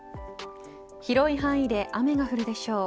広い範囲で雨が降るでしょう。